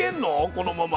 このまま。